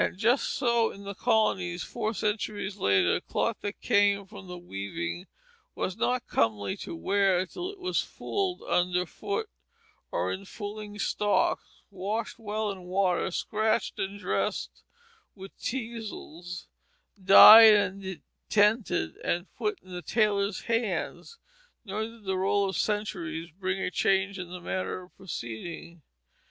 Just so in the colonies four centuries later, cloth that came from the weaving was not comely to wear till it was fulled under foot or in fulling stocks, washed well in water, scratched and dressed with teazels, dyed and tented, and put in the tailor's hands. Nor did the roll of centuries bring a change in the manner of proceeding.